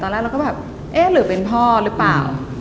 เราก็แบบเอ๊ะหรือเป็นพ่อหรือเปล่า